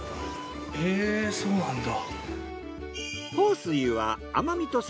へぇそうなんだ。